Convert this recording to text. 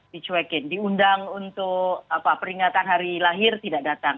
dicuekin diundang untuk peringatan hari lahir tidak datang